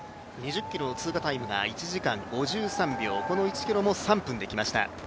２０ｋｍの通過タイムが１時間５３秒この１ｋｍも３分できました。